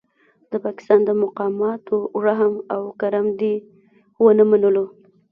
د پاکستان د مقاماتو رحم او کرم دې ونه منلو.